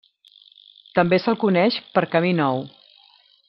També se'l coneix per Camí Nou.